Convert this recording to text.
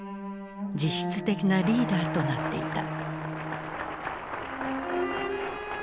実質的なリーダーとなっていた。